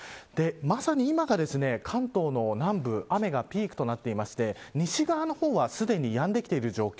まさに今が関東の南部雨がピークとなっていて西側の方はすでにやんできている状況。